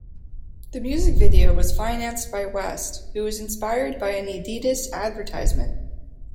The music video was financed by West, who was inspired by an Adidas advertisement.